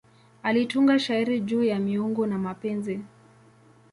Alitunga shairi juu ya miungu na mapenzi.